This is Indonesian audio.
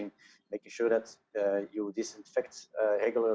memastikan anda disinfeksi secara reguler